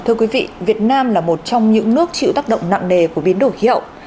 thưa quý vị việt nam là một trong những nước chịu tác động nặng nhất